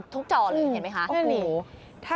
จอเลยเห็นไหมคะ